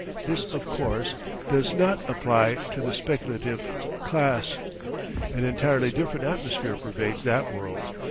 This, of course, does not apply to the speculative class. An entirely different atmosphere pervades that world.